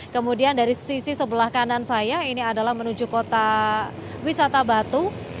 kemudian dari sisi sebelah kanan saya ini adalah menuju kota wisata batu